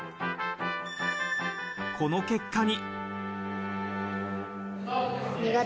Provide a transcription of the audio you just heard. この結果に。